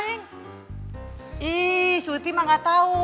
ih surti mah gak tau